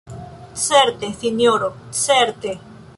Certe, sinjoro, certe!